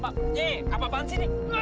aduh anjing kabar banget sih